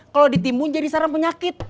kalo ditimun jadi sarang penyakit